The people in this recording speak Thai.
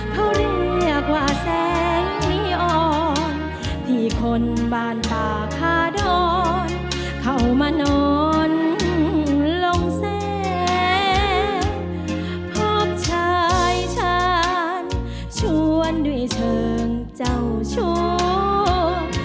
พวกชายฉันชวนด้วยเชิงเจ้าชวน